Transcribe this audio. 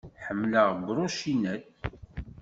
Ḥemmleɣ Brauchinet.